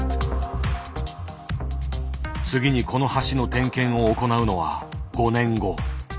次にこの橋の点検を行うのは５年後。